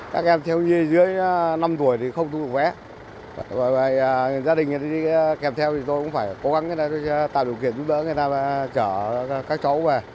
tạo điều kiện giúp đỡ người ta trở các cháu về